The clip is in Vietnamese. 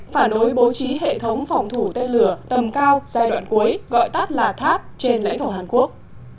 phản đối bố trí hệ thống phòng thủ tên lửa tầm cao giai đoạn cuối trên lãnh thổ hàn quốc